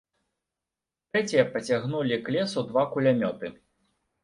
Трэція пацягнулі к лесу два кулямёты.